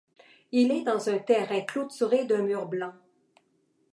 Il est dans un terrain clôturé d'un mur blanc.